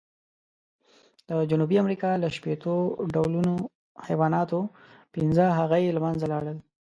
د جنوبي امریکا له شپېتو ډولو حیواناتو، پینځه هغه یې له منځه لاړل.